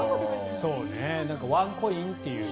そうね、ワンコインという。